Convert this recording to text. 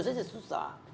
saya kira susah